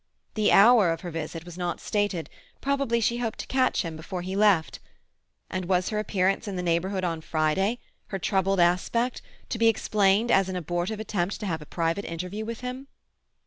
The hour of her visit was not stated; probably she hoped to catch him before he left. And was her appearance in the neighbourhood on Friday—her troubled aspect—to be explained as an abortive attempt to have a private interview with him?